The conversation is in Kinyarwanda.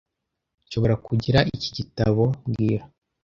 Nshobora kugira iki gitabo mbwira